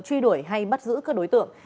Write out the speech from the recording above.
truy đuổi hay bắt giữ các đối tượng